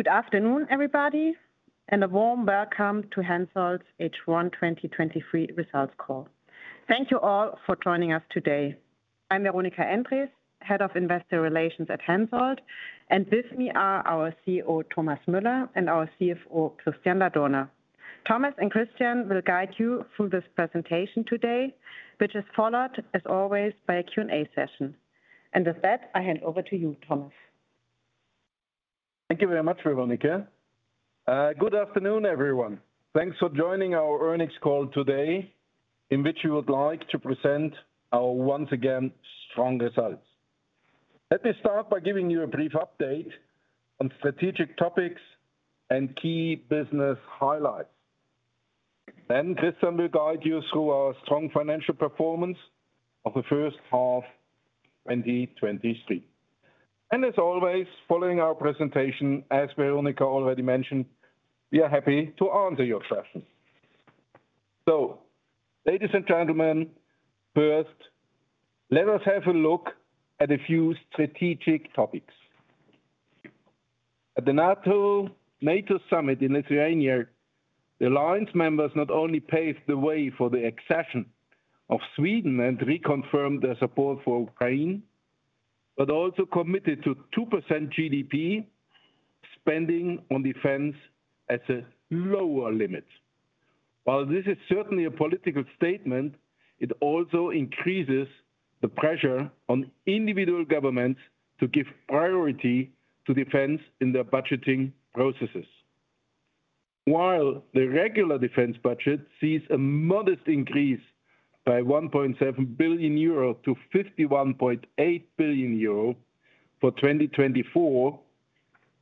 Good afternoon, everybody. A warm welcome to HENSOLDT's H1 2023 results call. Thank you all for joining us today. I'm Veronika Endres, Head of Investor Relations at HENSOLDT. With me are our CEO, Thomas Müller, and our CFO, Christian Ladurner. Thomas and Christian will guide you through this presentation today, which is followed, as always, by a Q&A session. With that, I hand over to you, Thomas. Thank you very much, Veronika. Good afternoon, everyone. Thanks for joining our earnings call today, in which we would like to present our once again strong results. Let me start by giving you a brief update on strategic topics and key business highlights. Christian will guide you through our strong financial performance of the first half 2023. As always, following our presentation, as Veronika already mentioned, we are happy to answer your questions. Ladies and gentlemen, first, let us have a look at a few strategic topics. At the NATO, NATO Summit in Lithuania, the Alliance members not only paved the way for the accession of Sweden and reconfirmed their support for Ukraine, but also committed to 2% GDP spending on defense as a lower limit. While this is certainly a political statement, it also increases the pressure on individual governments to give priority to defense in their budgeting processes. While the regular defense budget sees a modest increase by 1.7 billion euro to 51.8 billion euro for 2024,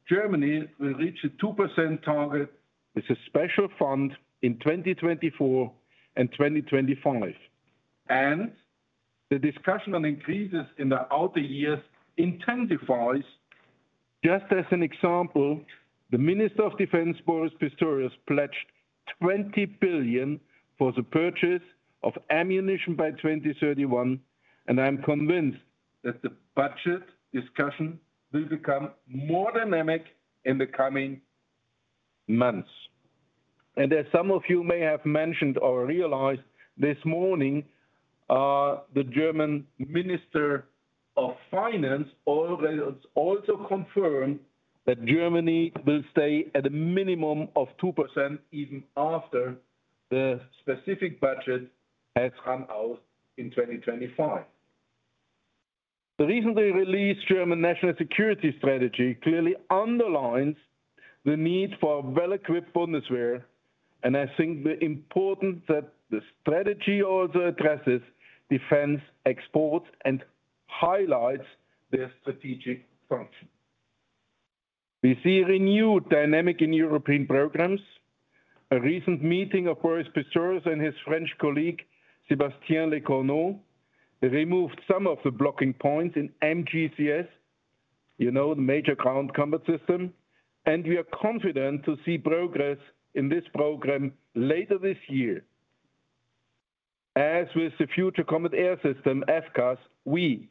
Germany will reach a 2% target with a special fund in 2024 and 2025. The discussion on increases in the outer years intensifies. Just as an example, the Minister of Defense, Boris Pistorius, pledged 20 billion for the purchase of ammunition by 2031. I'm convinced that the budget discussion will become more dynamic in the coming months. As some of you may have mentioned or realized this morning, the German Minister of Finance also, also confirmed that Germany will stay at a minimum of 2% even after the specific budget has run out in 2025. The recently released German national security strategy clearly underlines the need for a well-equipped Bundeswehr, and I think the important that the strategy also addresses defense exports and highlights their strategic function. We see a renewed dynamic in European programs. A recent meeting of Boris Pistorius and his French colleague, Sébastien Lecornu, removed some of the blocking points in MGCS, you know, the Main Ground Combat System, and we are confident to see progress in this program later this year. As with the Future Combat Air System, FCAS, we,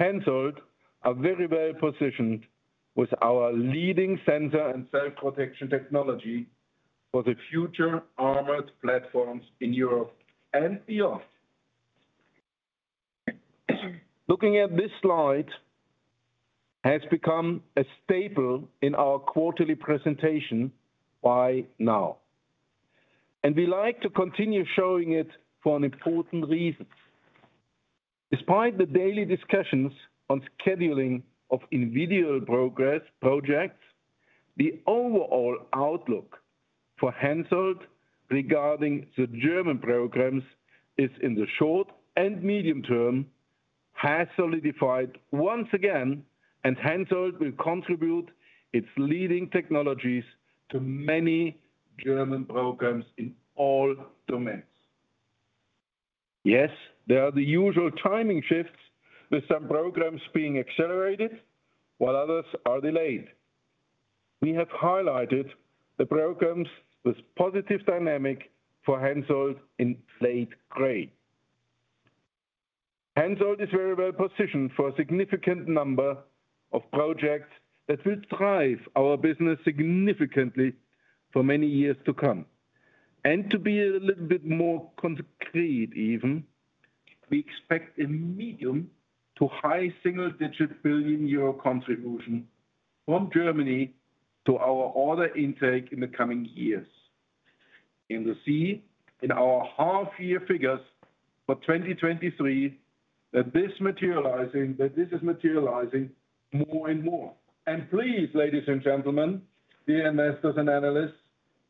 HENSOLDT, are very well-positioned with our leading sensor and self-protection technology for the future armored platforms in Europe and beyond. Looking at this slide has become a staple in our quarterly presentation by now, and we like to continue showing it for an important reason. Despite the daily discussions on scheduling of individual progress projects, the overall outlook for HENSOLDT regarding the German programs is in the short and medium term, has solidified once again, and HENSOLDT will contribute its leading technologies to many German programs in all domains. Yes, there are the usual timing shifts, with some programs being accelerated while others are delayed. We have highlighted the programs with positive dynamic for HENSOLDT in slate gray. HENSOLDT is very well-positioned for a significant number of projects that will drive our business significantly for many years to come. To be a little bit more concrete even, we expect a medium to high single-digit billion EUR contribution from Germany to our order intake in the coming years. We see in our half-year figures for 2023, that this is materializing more and more. Please, ladies and gentlemen, dear investors and analysts,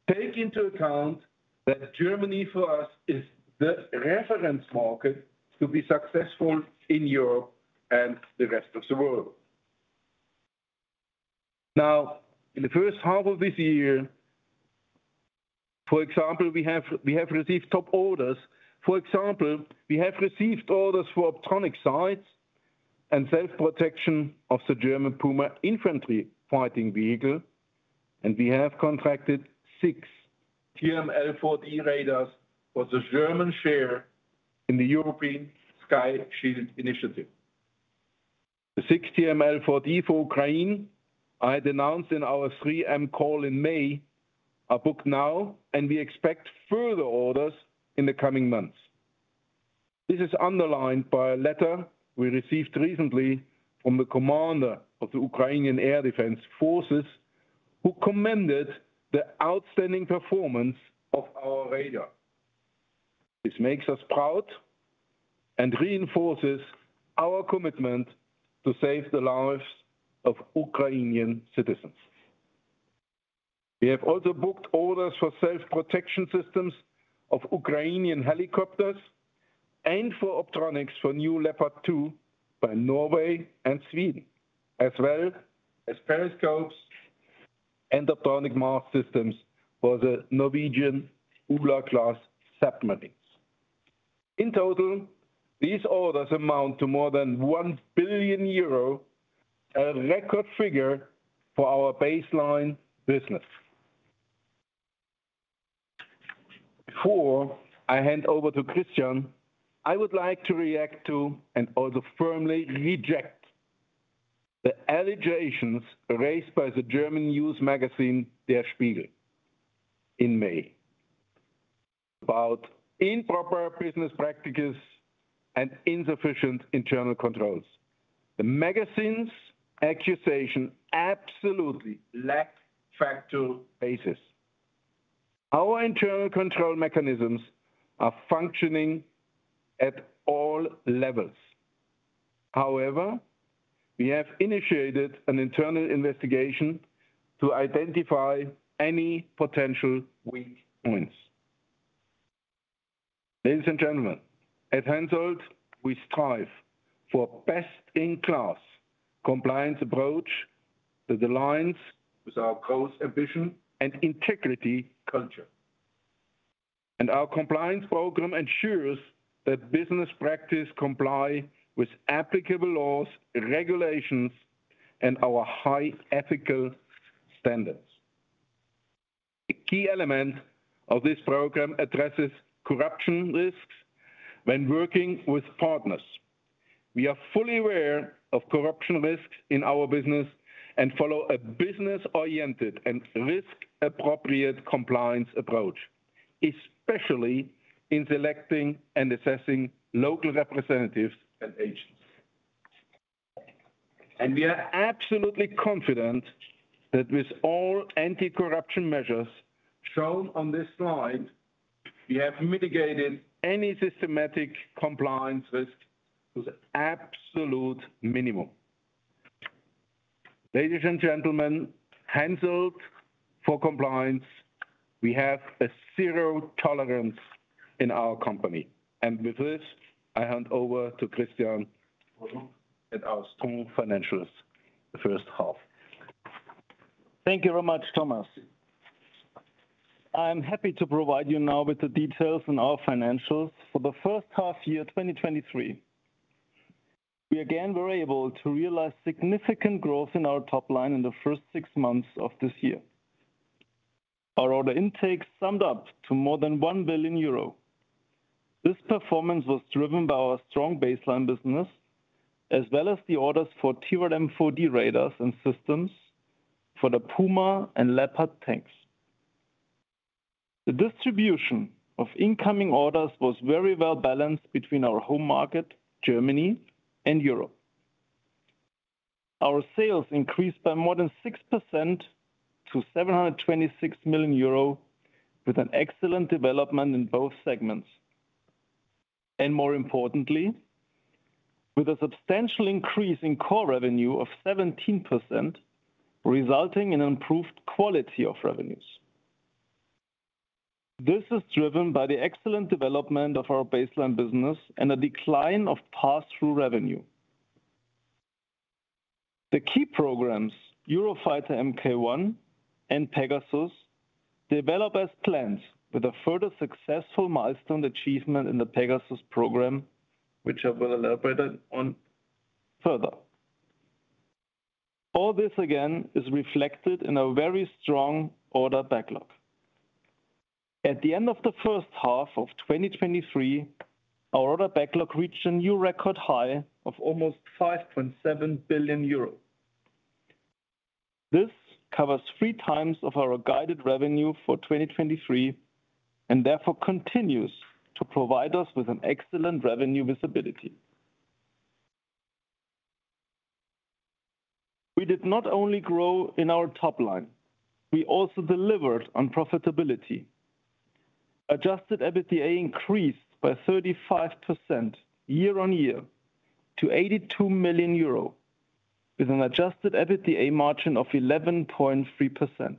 take into account that Germany, for us, is the reference market to be successful in Europe and the rest of the world. Now, in the first half of this year, for example, we have, we have received top orders. For example, we have received orders for optronic sights and self-protection of the German Puma infantry fighting vehicle, and we have contracted 6 TRML-4D radars for the German share in the European Sky Shield Initiative. The 6 TML-4D for the Ukraine, I had announced in our 3M call in May, are booked now, and we expect further orders in the coming months. This is underlined by a letter we received recently from the commander of the Ukrainian Air Defense Forces, who commended the outstanding performance of our radar. This makes us proud and reinforces our commitment to save the lives of Ukrainian citizens. We have also booked orders for self-protection systems of Ukrainian helicopters and for optronics for new Leopard 2 by Norway and Sweden, as well as periscopes and the optronic mast systems for the Norwegian Ula class submarines. In total, these orders amount to more than 1 billion euro, a record figure for our baseline business. Before I hand over to Christian, I would like to react to and also firmly reject the allegations raised by the German news magazine, Der Spiegel, in May about improper business practices and insufficient internal controls. The magazine's accusation absolutely lacks factual basis. Our internal control mechanisms are functioning at all levels. However, we have initiated an internal investigation to identify any potential weak points. Ladies and gentlemen, at Hensoldt, we strive for best-in-class compliance approach that aligns with our growth, ambition, and integrity culture. Our compliance program ensures that business practice comply with applicable laws, regulations, and our high ethical standards. A key element of this program addresses corruption risks when working with partners. We are fully aware of corruption risks in our business and follow a business-oriented and risk-appropriate compliance approach, especially in selecting and assessing local representatives and agents. We are absolutely confident that with all anti-corruption measures shown on this slide, we have mitigated any systematic compliance risk to the absolute minimum. Ladies and gentlemen, Hensoldt, for compliance, we have a zero tolerance in our company. With this, I hand over to Christian Ladurner, and our strong financials, the first half. Thank you very much, Thomas. I'm happy to provide you now with the details on our financials for the first half year 2023. We again were able to realize significant growth in our top line in the first 6 months of this year. Our order intake summed up to more than 1 billion euro. This performance was driven by our strong baseline business, as well as the orders for TRML-4D radars and systems for the Puma and Leopard tanks. The distribution of incoming orders was very well-balanced between our home market, Germany and Europe. Our sales increased by more than 6% to 726 million euro, with an excellent development in both segments. More importantly, with a substantial increase in core revenue of 17%, resulting in improved quality of revenues. This is driven by the excellent development of our baseline business and a decline of pass-through revenue. The key programs, Eurofighter Mk1 and PEGASUS, develop as planned, with a further successful milestone achievement in the PEGASUS program, which I will elaborate on further. All this, again, is reflected in a very strong order backlog. At the end of the first half of 2023, our order backlog reached a new record high of almost 5.7 billion euros. This covers 3 times of our guided revenue for 2023, and therefore continues to provide us with an excellent revenue visibility. We did not only grow in our top line, we also delivered on profitability. Adjusted EBITDA increased by 35% year-on-year to 82 million euro, with an adjusted EBITDA margin of 11.3%.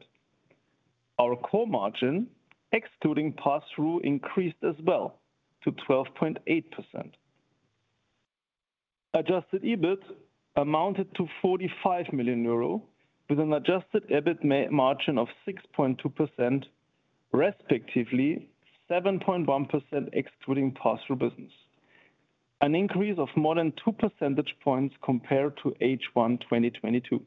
Our core margin, excluding pass-through, increased as well to 12.8%. Adjusted EBIT amounted to 45 million euro, with an adjusted EBIT margin of 6.2%, respectively, 7.1% excluding pass-through business, an increase of more than 2 percentage points compared to H1 2022.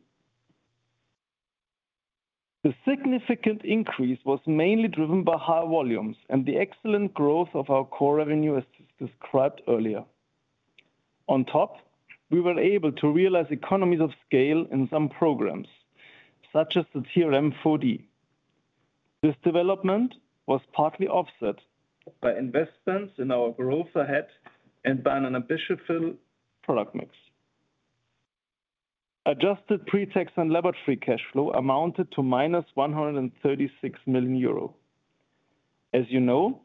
The significant increase was mainly driven by high volumes and the excellent growth of our core revenue, as described earlier. On top, we were able to realize economies of scale in some programs, such as the TRML-4D. This development was partly offset by investments in our growth ahead and by an ambitious product mix. Adjusted pre-tax and levered free cash flow amounted to minus 136 million euro. As you know,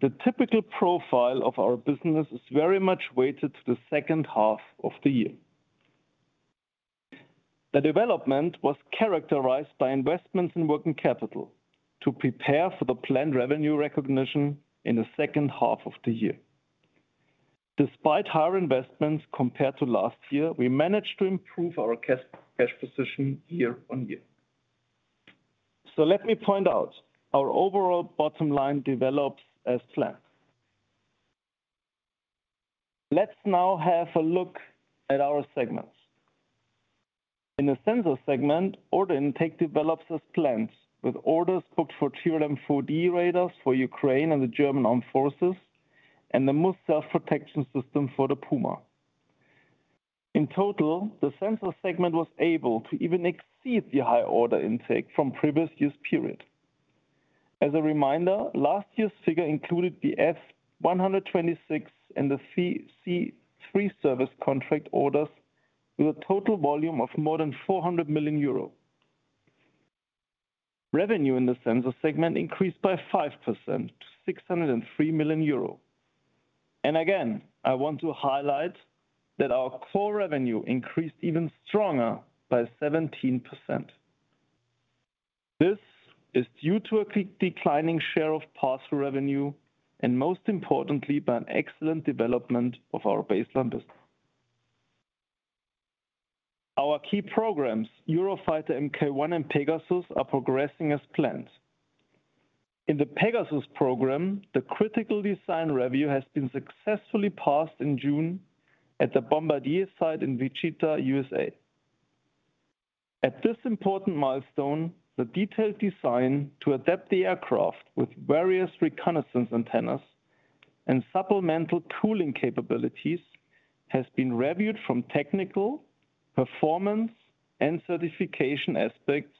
the typical profile of our business is very much weighted to the second half of the year. The development was characterized by investments in working capital to prepare for the planned revenue recognition in the second half of the year. Despite higher investments compared to last year, we managed to improve our cash position year-over-year. Let me point out, our overall bottom line developed as planned. Let's now have a look at our segments. In the sensor segment, order intake develops as planned, with orders booked for TRML-4D radars for Ukraine and the German Armed Forces and the MUSS self-protection system for the Puma. In total, the sensor segment was able to even exceed the high order intake from previous years' period. As a reminder, last year's figure included the F126 and the C3 service contract orders with a total volume of more than 400 million euro. Revenue in the sensor segment increased by 5% to 603 million euro. Again, I want to highlight that our core revenue increased even stronger by 17%. This is due to a declining share of parcel revenue and, most importantly, by an excellent development of our baseline business. Our key programs, Eurofighter Mk1 and PEGASUS, are progressing as planned. In the PEGASUS program, the Critical Design Review has been successfully passed in June at the Bombardier site in Wichita, USA. At this important milestone, the detailed design to adapt the aircraft with various reconnaissance antennas and supplemental cooling capabilities has been reviewed from technical, performance, and certification aspects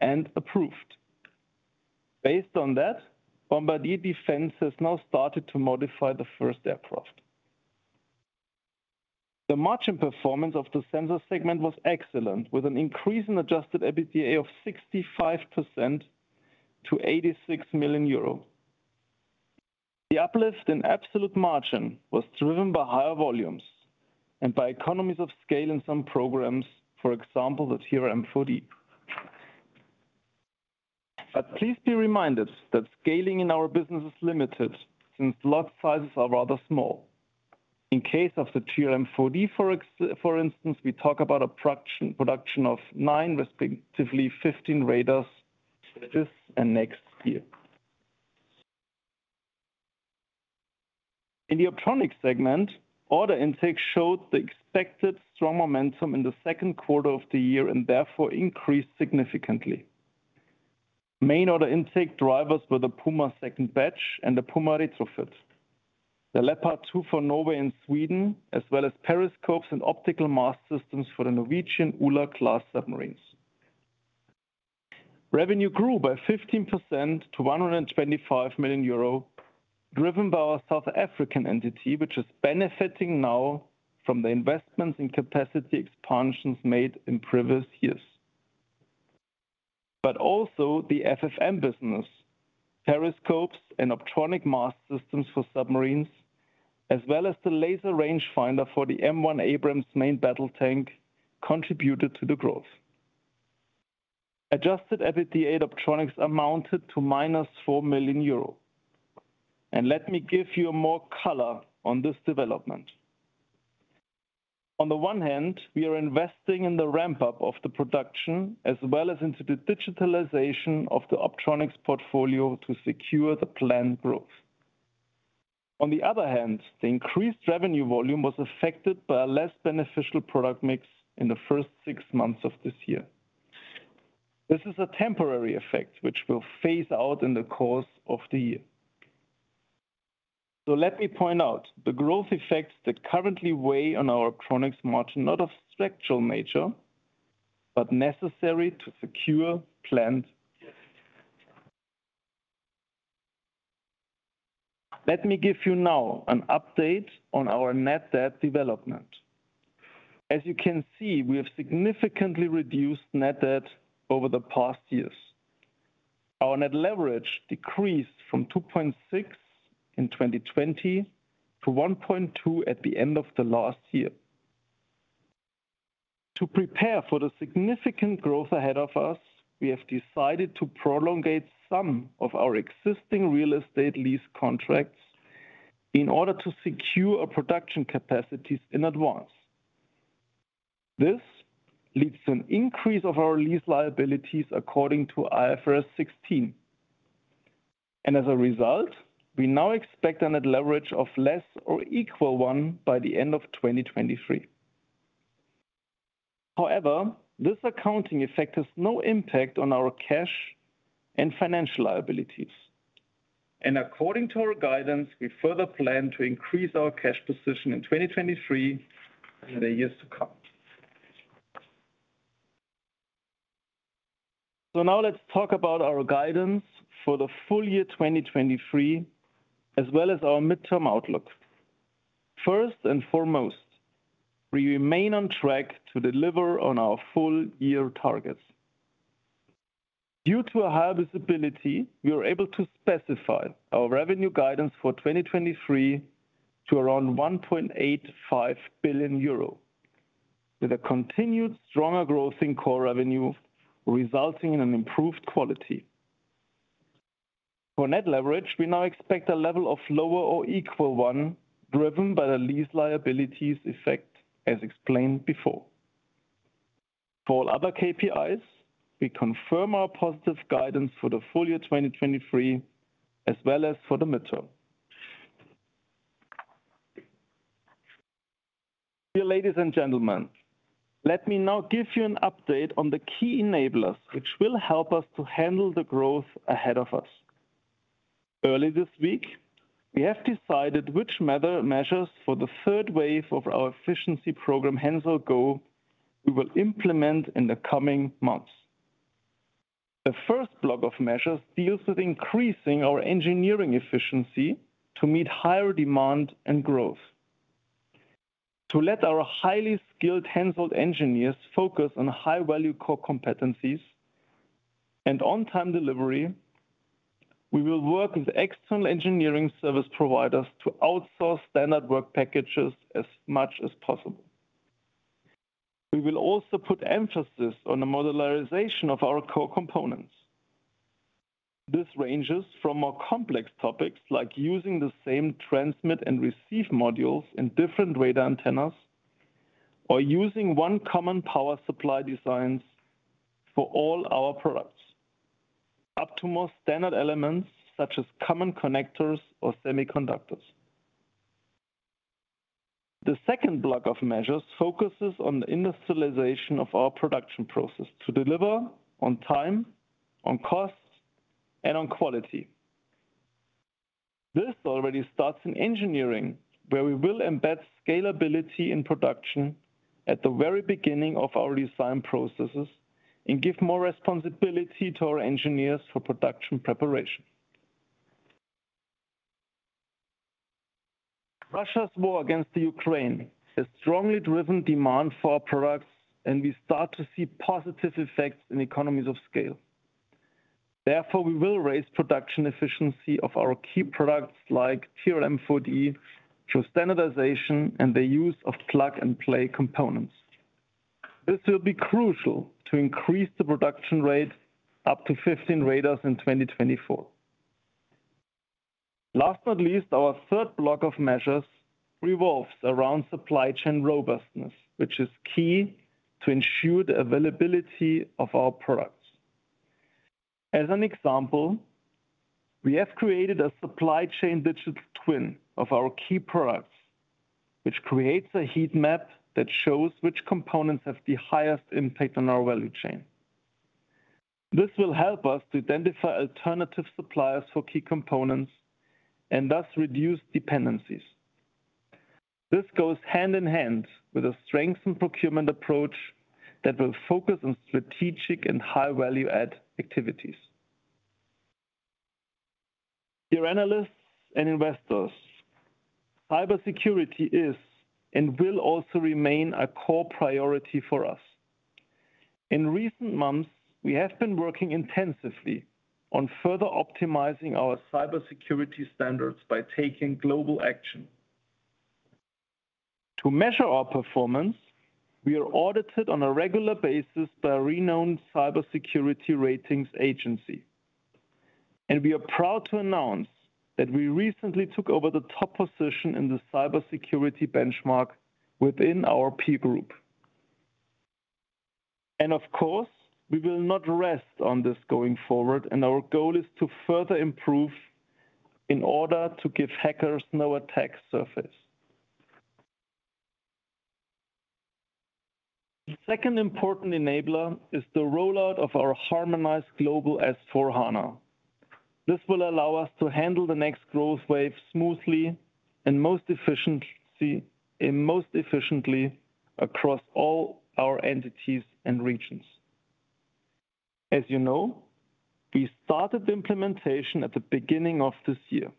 and approved. Based on that, Bombardier Defense has now started to modify the first aircraft. The margin performance of the sensor segment was excellent, with an increase in adjusted EBITDA of 65% to 86 million euro. The uplift in absolute margin was driven by higher volumes and by economies of scale in some programs, for example, the TRML-4D. Please be reminded that scaling in our business is limited since lot sizes are rather small. In case of the TRML-4D, for instance, we talk about a production of 9, respectively 15 radars this and next year. In the optronics segment, order intake showed the expected strong momentum in the second quarter of the year and therefore increased significantly. Main order intake drivers were the Puma 2nd batch and the Puma retrofit, the Leopard 2 for Norway and Sweden, as well as periscopes and optical mast systems for the Norwegian Ula class submarines. Revenue grew by 15% to 125 million euro, driven by our South African entity, which is benefiting now from the investments in capacity expansions made in previous years. Also the FFM business, periscopes and optronic mast systems for submarines, as well as the laser range finder for the M1 Abrams main battle tank, contributed to the growth. Adjusted EBITDA optronics amounted to minus 4 million euro. Let me give you more color on this development. On the one hand, we are investing in the ramp-up of the production, as well as into the digitalization of the optronics portfolio to secure the planned growth. On the other hand, the increased revenue volume was affected by a less beneficial product mix in the first six months of this year. This is a temporary effect which will phase out in the course of the year. Let me point out, the growth effects that currently weigh on our optronics margin are not of structural nature, but necessary to secure planned. Let me give you now an update on our net debt development. As you can see, we have significantly reduced net debt over the past years. Our net leverage decreased from 2.6 in 2020 to 1.2 at the end of the last year. To prepare for the significant growth ahead of us, we have decided to prolongate some of our existing real estate lease contracts in order to secure our production capacities in advance. This leads to an increase of our lease liabilities according to IFRS 16. As a result, we now expect a net leverage of less or equal 1 by the end of 2023. However, this accounting effect has no impact on our cash and financial liabilities. According to our guidance, we further plan to increase our cash position in 2023 and the years to come. Now let's talk about our guidance for the full year 2023, as well as our midterm outlook. First and foremost, we remain on track to deliver on our full-year targets. Due to a high visibility, we are able to specify our revenue guidance for 2023 to around 1.85 billion euro, with a continued stronger growth in core revenue, resulting in an improved quality. For net leverage, we now expect a level of lower or equal 1, driven by the lease liabilities effect as explained before. For all other KPIs, we confirm our positive guidance for the full year 2023, as well as for the midterm. Dear ladies and gentlemen, let me now give you an update on the key enablers, which will help us to handle the growth ahead of us. Early this week, we have decided which measures for the third wave of our efficiency program, HENSOLDT GO!, we will implement in the coming months. The first block of measures deals with increasing our engineering efficiency to meet higher demand and growth. To let our highly skilled Hensoldt engineers focus on high-value core competencies and on-time delivery, we will work with external engineering service providers to outsource standard work packages as much as possible. We will also put emphasis on the modularization of our core components. This ranges from more complex topics, like using the same transmit and receive modules in different radar antennas, or using one common power supply designs for all our products, up to more standard elements, such as common connectors or semiconductors. The second block of measures focuses on the industrialization of our production process to deliver on time, on costs, and on quality. This already starts in engineering, where we will embed scalability in production at the very beginning of our design processes and give more responsibility to our engineers for production preparation. Russia's war against Ukraine has strongly driven demand for our products, and we start to see positive effects in economies of scale. Therefore, we will raise production efficiency of our key products like TRML-4D through standardization and the use of plug-and-play components. This will be crucial to increase the production rate up to 15 radars in 2024. Last but not least, our third block of measures revolves around Supply Chain robustness, which is key to ensure the availability of our products. As an example, we have created a Supply Chain Digital Twin of our key products, which creates a heat map that shows which components have the highest impact on our value chain. This will help us to identify alternative suppliers for key components and thus reduce dependencies. This goes hand in hand with a strengthened procurement approach that will focus on strategic and high-value-add activities. Dear analysts and investors, cybersecurity is, and will also remain, a core priority for us. In recent months, we have been working intensively on further optimizing our cybersecurity standards by taking global action. To measure our performance, we are audited on a regular basis by a renowned cybersecurity ratings agency. We are proud to announce that we recently took over the top position in the cybersecurity benchmark within our peer group. Of course, we will not rest on this going forward, and our goal is to further improve in order to give hackers no attack surface. The second important enabler is the rollout of our harmonized global S/4HANA. This will allow us to handle the next growth wave smoothly and most efficiently across all our entities and regions. As you know, we started the implementation at the beginning of this year,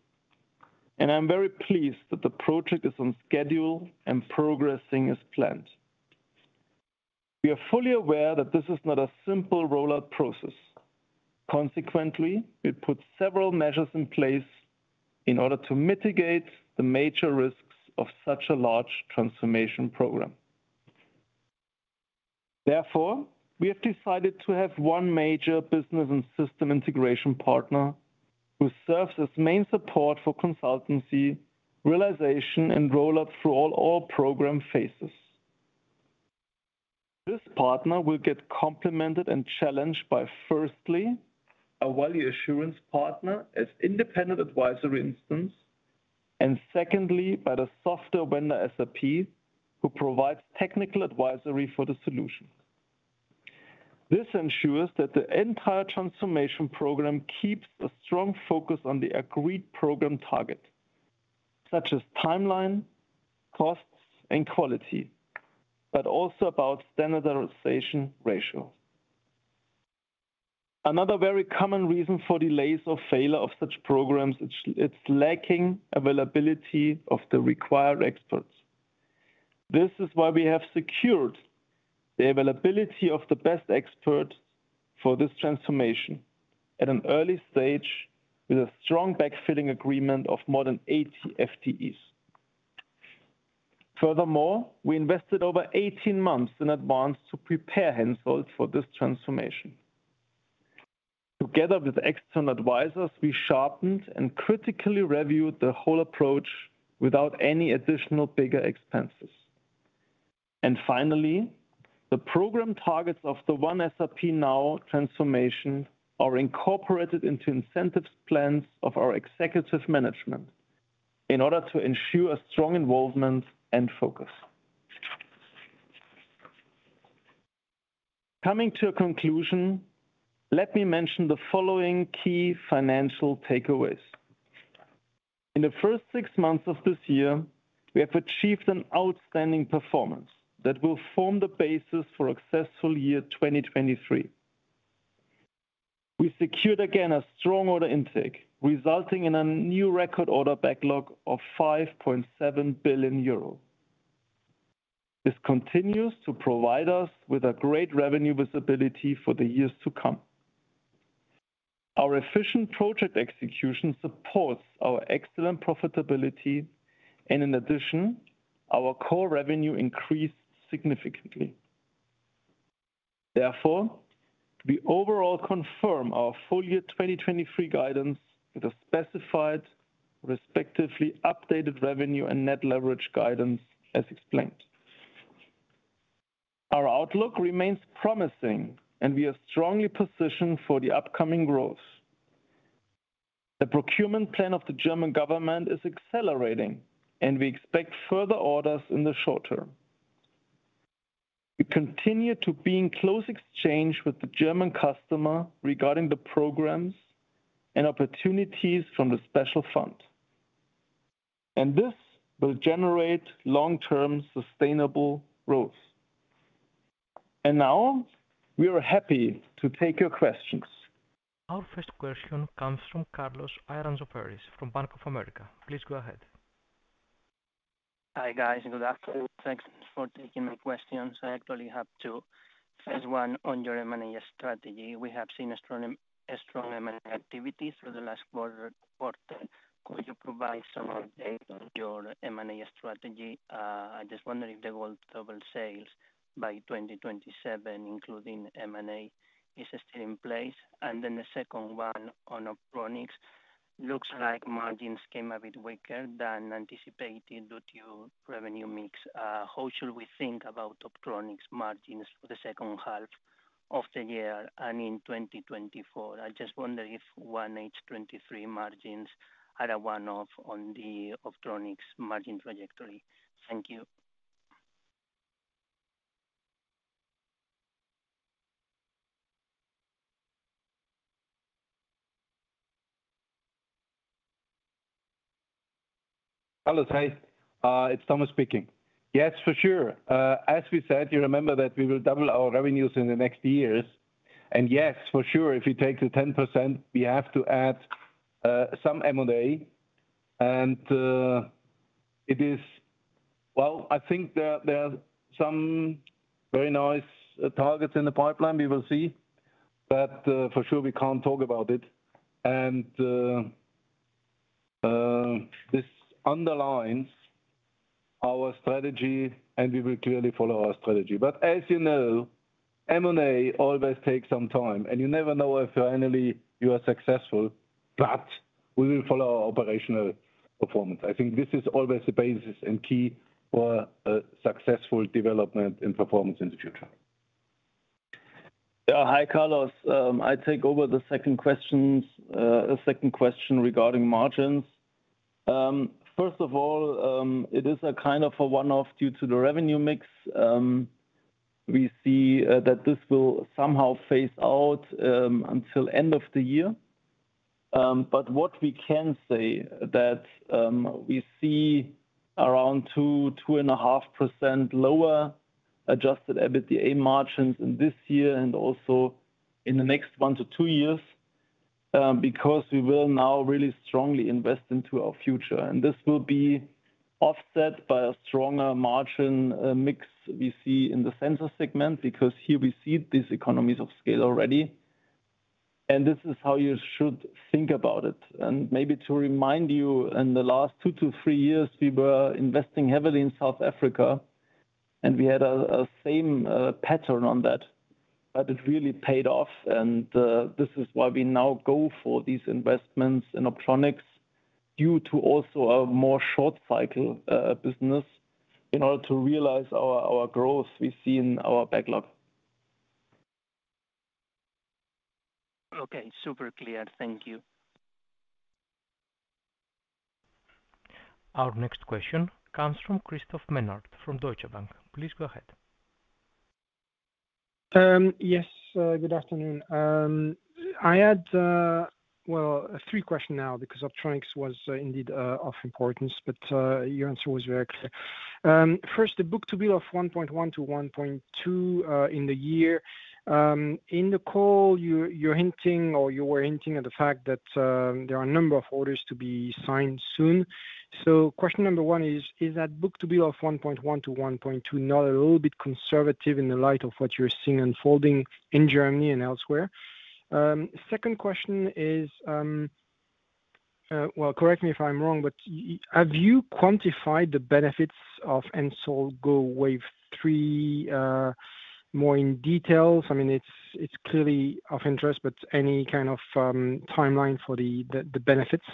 and I'm very pleased that the project is on schedule and progressing as planned. We are fully aware that this is not a simple rollout process. Consequently, we put several measures in place in order to mitigate the major risks of such a large transformation program. We have decided to have one major business and system integration partner who serves as main support for consultancy, realization, and rollout through all our program phases. This partner will get complimented and challenged by, firstly, a value assurance partner as independent advisory instance, and secondly, by the software vendor, SAP, who provides technical advisory for the solution. This ensures that the entire transformation program keeps a strong focus on the agreed program target, such as timeline, costs, and quality, but also about standardization ratio. Another very common reason for delays or failure of such programs is, it's lacking availability of the required experts. This is why we have secured the availability of the best experts for this transformation at an early stage, with a strong backfilling agreement of more than 80 FTEs. Furthermore, we invested over 18 months in advance to prepare Hensoldt for this transformation. Together with external advisors, we sharpened and critically reviewed the whole approach without any additional bigger expenses. Finally, the program targets of the One SAP Now transformation are incorporated into incentives plans of our executive management in order to ensure a strong involvement and focus. Coming to a conclusion, let me mention the following key financial takeaways. In the first 6 months of this year, we have achieved an outstanding performance that will form the basis for a successful year 2023. We secured again a strong order intake, resulting in a new record order backlog of 5.7 billion euros. This continues to provide us with a great revenue visibility for the years to come. Our efficient project execution supports our excellent profitability. In addition, our core revenue increased significantly. Therefore, we overall confirm our full year 2023 guidance with a specified, respectively, updated revenue and net leverage guidance, as explained. Our outlook remains promising, and we are strongly positioned for the upcoming growth. The procurement plan of the German government is accelerating, and we expect further orders in the short term. We continue to be in close exchange with the German customer regarding the programs and opportunities from the special fund, and this will generate long-term, sustainable growth. Now, we are happy to take your questions. Our first question comes from Carlos Iranzo Peris from Bank of America. Please go ahead. Hi, guys, and good afternoon. Thanks for taking my questions. I actually have two. First one, on your M&A strategy. We have seen a strong, a strong M&A activity through the last quarter report. Could you provide some update on your M&A strategy? I just wonder if the goal to double sales by 2027, including M&A, is still in place. The second one on Optronics. Looks like margins came a bit weaker than anticipated due to revenue mix. How should we think about Optronics margins for the second half of the year and in 2024? I just wonder if 1H 2023 margins are a one-off on the Optronics margin trajectory. Thank you. Carlos, hi, it's Thomas speaking. Yes, for sure. As we said, you remember that we will double our revenues in the next years. And yes, for sure, if we take the 10%, we have to add some M&A, and it is. Well, I think there, there are some very nice targets in the pipeline. We will see, but for sure, we can't talk about it. And this underlines our strategy, and we will clearly follow our strategy. But as you know, M&A always takes some time, and you never know if finally you are successful, but we will follow our operational performance. I think this is always the basis and key for a successful development and performance in the future. Hi, Carlos. I take over the second questions, the second question regarding margins. First of all, it is a kind of a one-off due to the revenue mix. We see that this will somehow phase out until end of the year. But what we can say that we see around 2-2.5% lower adjusted EBITDA margins in this year and also in the next 1-2 years because we will now really strongly invest into our future. This will be offset by a stronger margin mix we see in the sensor segment, because here we see these economies of scale already, and this is how you should think about it. Maybe to remind you, in the last 2 to 3 years, we were investing heavily in South Africa, and we had a same pattern on that, but it really paid off, and this is why we now go for these investments in Optronics. due to also a more short cycle business in order to realize our growth we see in our backlog. Okay, super clear. Thank you. Our next question comes from Christophe Menard from Deutsche Bank. Please go ahead. Yes, good afternoon. I had, well, 3 question now because Optronics was indeed of importance, but your answer was very clear. First, the book-to-bill of 1.1-1.2 in the year. In the call, you, you're hinting or you were hinting at the fact that there are a number of orders to be signed soon. Question number 1 is: Is that book-to-bill of 1.1-1.2 not a little bit conservative in the light of what you are seeing unfolding in Germany and elsewhere? Second question is, well, correct me if I'm wrong, but have you quantified the benefits of HENSOLDT GO! Wave 3 more in details? I mean, it's, it's clearly of interest, but any kind of timeline for the, the, the benefits.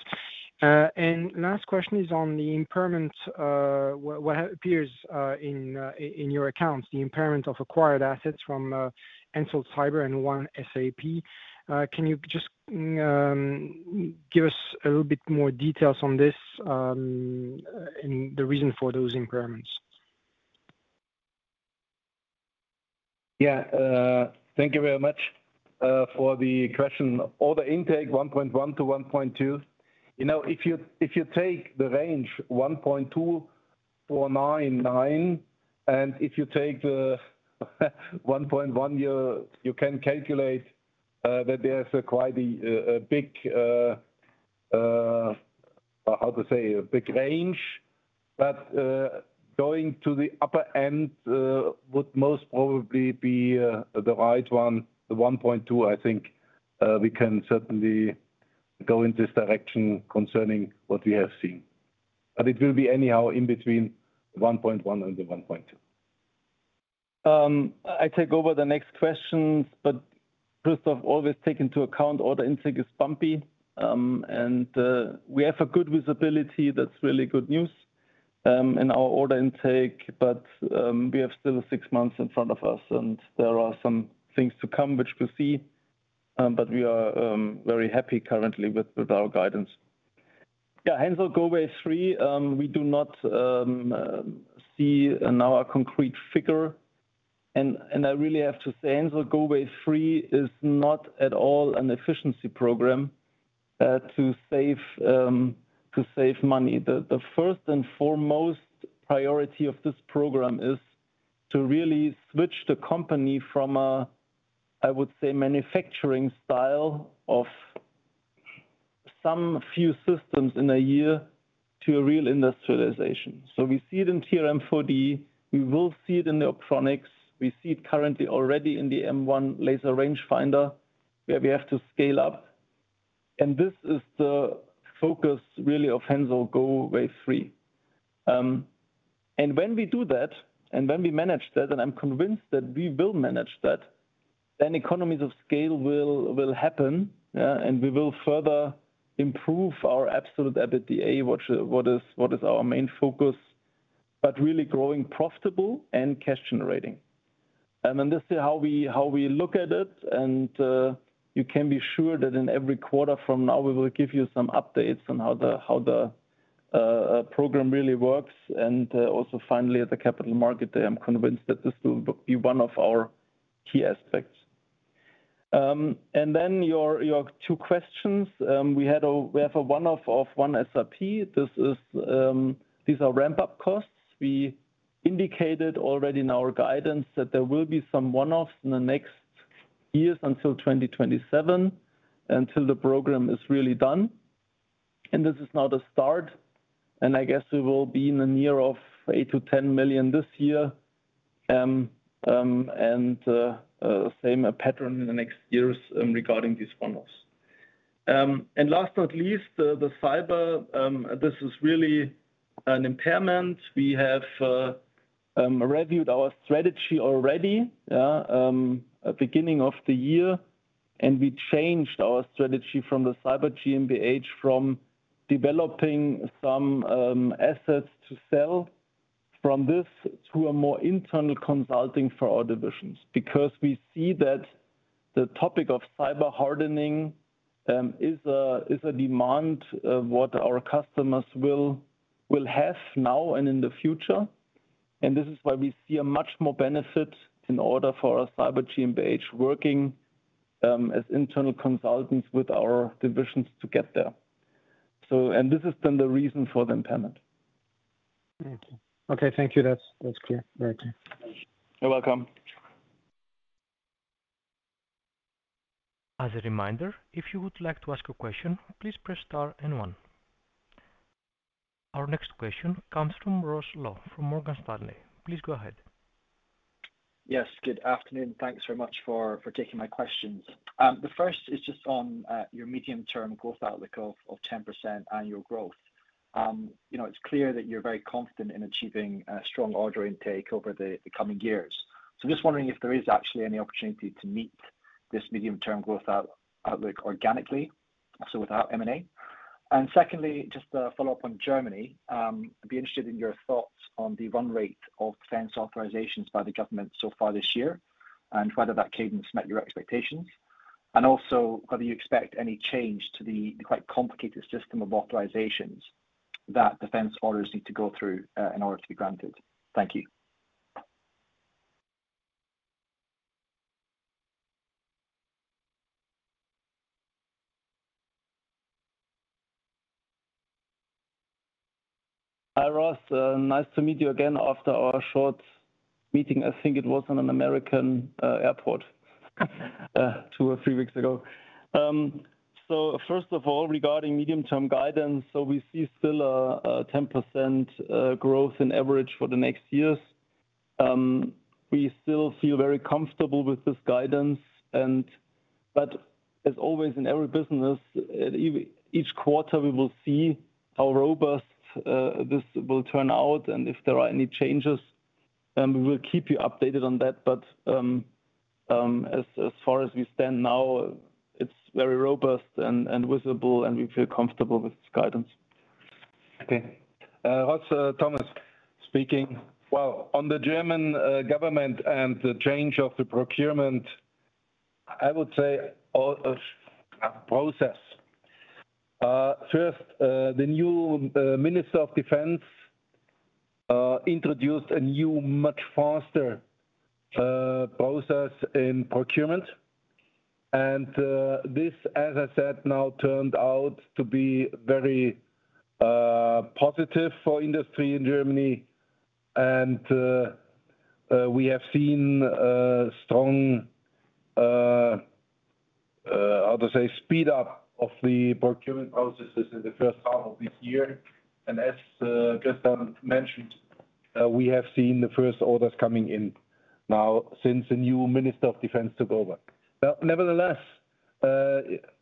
Last question is on the impairment, what, what appears in your accounts, the impairment of acquired assets from Hensoldt Cyber and one SAP. Can you just give us a little bit more details on this, and the reason for those impairments? Yeah, thank you very much for the question. Order intake 1.1-1.2. You know, if you, if you take the range 1.2 or 99, and if you take the 1.1, you, you can calculate that there's quite a big, how to say, a big range. Going to the upper end would most probably be the right one. The 1.2, I think, we can certainly go in this direction concerning what we have seen. It will be anyhow in between 1.1 and the 1.2. I take over the next questions, but first off, always take into account, order intake is bumpy. We have a good visibility, that's really good news, in our order intake, but we have still six months in front of us, and there are some things to come, which we'll see. We are very happy currently with, with our guidance. Yeah, HENSOLDT GO! Wave 3, we do not see now a concrete figure. I really have to say, HENSOLDT GO! Wave 3 is not at all an efficiency program to save to save money. The first and foremost priority of this program is to really switch the company from a, I would say, manufacturing style of some few systems in a year to a real industrialization. We see it in TRML-4D, we will see it in the Optronics, we see it currently already in the M1 laser range finder, where we have to scale up. This is the focus, really, of HENSOLDT GO! Wave 3. When we do that, and when we manage that, and I'm convinced that we will manage that, then economies of scale will happen, and we will further improve our absolute EBITDA, which, what is, what is our main focus, but really growing profitable and cash generating. This is how we, how we look at it, and you can be sure that in every quarter from now, we will give you some updates on how the, how the program really works. Also, finally, at the capital market there, I'm convinced that this will be one of our key aspects. Then your, your two questions. We have a one-off of one OneSAPnow. This is, these are ramp-up costs. We indicated already in our guidance that there will be some one-offs in the next years until 2027, until the program is really done. This is now the start, and I guess we will be in the near of 8-10 million this year. Same pattern in the next years regarding these one-offs. Last but not least, the, the fiber, this is really an impairment. We have reviewed our strategy already at beginning of the year, and we changed our strategy from the Hensoldt Cyber GmbH, from developing some assets to sell from this, to a more internal consulting for our divisions. Because we see that the topic of cyber hardening is a demand of what our customers will have now and in the future. This is why we see a much more benefit in order for our Hensoldt Cyber GmbH working as internal consultants with our divisions to get there. This is then the reason for the impairment. Thank you. Okay, thank you. That's clear. Very clear. You're welcome. As a reminder, if you would like to ask a question, please press star and one. Our next question comes from Ross Law, from Morgan Stanley. Please go ahead. Yes, good afternoon. Thanks very much for, for taking my questions. The first is just on your medium-term growth outlook of, of 10% annual growth. ... you know, it's clear that you're very confident in achieving strong order intake over the coming years. Just wondering if there is actually any opportunity to meet this medium-term growth outlook organically, so without M&A? Secondly, just a follow-up on Germany, I'd be interested in your thoughts on the run rate of defense authorizations by the government so far this year, and whether that cadence met your expectations. Also, whether you expect any change to the quite complicated system of authorizations that defense orders need to go through in order to be granted. Thank you. Hi, Ross. nice to meet you again after our short meeting. I think it was in an American airport 2 or 3 weeks ago. First of all, regarding medium-term guidance, so we see still a 10% growth in average for the next years. We still feel very comfortable with this guidance, as always, in every business, each quarter, we will see how robust this will turn out and if there are any changes, we will keep you updated on that. As far as we stand now, it's very robust and visible, and we feel comfortable with this guidance. Okay. Ross, Thomas speaking. Well, on the German government and the change of the procurement, I would say all of process. First, the new Minister of Defense introduced a new, much faster process in procurement. This, as I said, now turned out to be very positive for industry in Germany, and we have seen strong how to say, speed up of the procurement processes in the first half of this year. As Christian mentioned, we have seen the first orders coming in now since the new Minister of Defense took over. Nevertheless,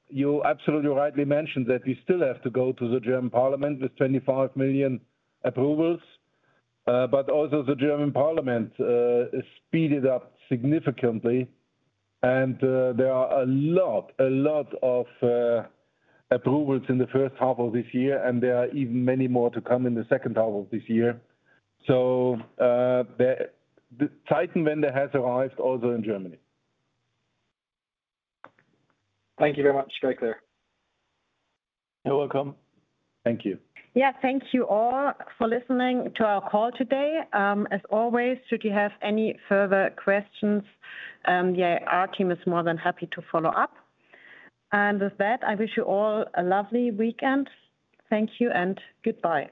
you absolutely rightly mentioned that we still have to go to the German Parliament with 25 million approvals. The German Parliament speeded up significantly. There are a lot, a lot of approvals in the first half of this year. There are even many more to come in the second half of this year. The Zeitenwende has arrived also in Germany. Thank you very much. Very clear. You're welcome. Thank you. Yeah, thank you all for listening to our call today. As always, should you have any further questions, our team is more than happy to follow up. With that, I wish you all a lovely weekend. Thank you, and goodbye.